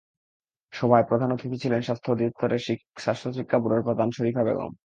সভায় প্রধান অতিথি ছিলেন স্বাস্থ্য অধিদপ্তরের স্বাস্থ্য শিক্ষা ব্যুরোর প্রধান শরীফা বেগম।